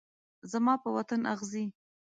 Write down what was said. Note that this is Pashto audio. زما په وطن کې اغزي